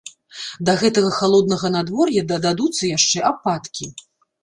Да гэтага халоднага надвор'я дададуцца яшчэ ападкі.